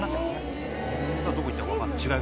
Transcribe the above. どこ行ったかわかんない。